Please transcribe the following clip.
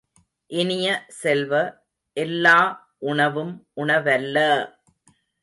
இனிய செல்வ, எல்லா உணவும் உணவல்ல!